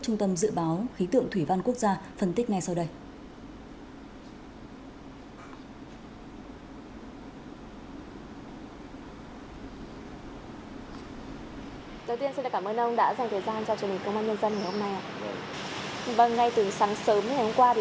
trung tâm dự báo khí tượng thủy văn quốc gia phân tích ngay sau đây